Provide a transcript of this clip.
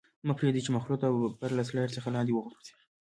مه پرېږدئ چې مخلوط او بفر له سلایډ څخه لاندې وغورځيږي.